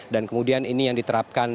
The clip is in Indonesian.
dan kemudian ini yang diterapkan